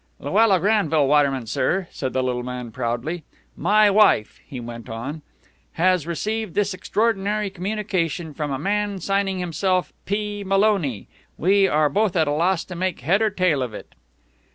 "Luella Granville Waterman, sir!" said the little man proudly. "My wife," he went on, "has received this extraordinary communication from a man signing himself P. Maloney. We are both at a loss to make head or tail of it."